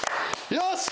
よし！